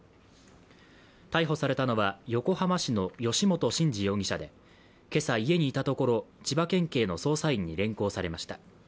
逮捕されたのは横浜市の由元慎二容疑者で今朝、家にいたところ、千葉県警の捜査員に連行されました。